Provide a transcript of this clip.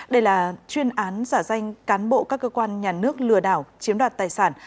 đây là chuyên án giả danh cán bộ các cơ quan nhà nước lừa đảo chiếm đoạt tài sản